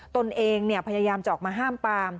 ตนเองพยายามจะออกมาห้ามปาม